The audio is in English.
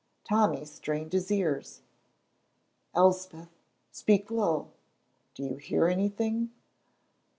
Tommy strained his ears. "Elspeth speak low do you hear anything?"